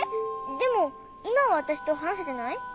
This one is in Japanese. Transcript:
でもいまはわたしとはなせてない？